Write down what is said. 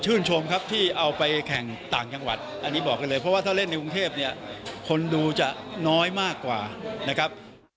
ครับที่เอาไปแข่งต่างจังหวัดอันนี้บอกกันเลยเพราะว่าถ้าเล่นในกรุงเทพเนี่ยคนดูจะน้อยมากกว่านะครับ